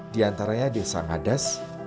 diantaranya desa ngadas